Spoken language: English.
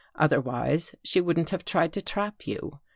Otherwise she wouldn't have tried to trap you.